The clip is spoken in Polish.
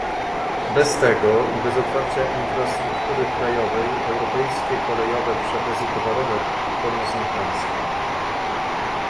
Bez tego i bez otwarcia infrastruktury krajowej, europejskie kolejowe przewozy towarowe poniosą klęskę